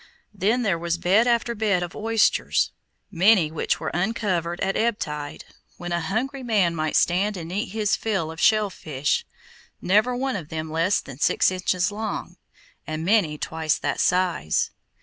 Then there was bed after bed of oysters, many of which were uncovered at ebb tide, when a hungry man might stand and eat his fill of shellfish, never one of them less than six inches long, and many twice that size.